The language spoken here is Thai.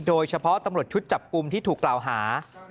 โดยเฉพาะตำรวจชุดจับกลุ่มที่ถูกกล่าวหา